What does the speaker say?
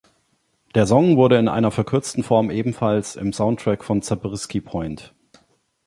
Der Song wurde in einer verkürzten Form ebenfalls im Soundtrack von Zabriskie Point.